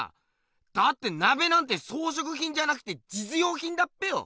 だって鍋なんて装飾品じゃなくて実用品だっぺよ？